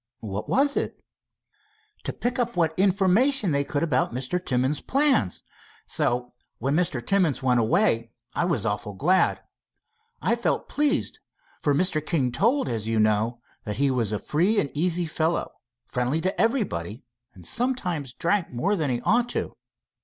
"What was it?" "To pick up what information they could about Mr. Timmins' plans, so, when Mr. Timmins went away, I was awful glad. I felt pleased, for Mr. King told as you know that he was a free and easy fellow, friendly to everybody, and sometimes drank more than he ought to."